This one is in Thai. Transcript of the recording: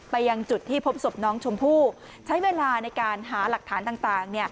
ยังจุดที่พบศพน้องชมพู่ใช้เวลาในการหาหลักฐานต่าง